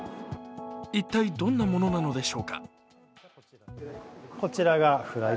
一体どんなものなのでしょうか。